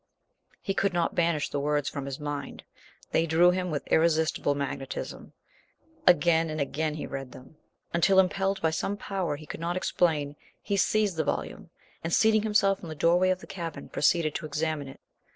He could not banish the words from his mind; they drew him with irresistible magnetism. Again and again he read them, until, impelled by some power he could not explain, he seized the volume and, seating himself in the doorway of the cabin, proceeded to examine it.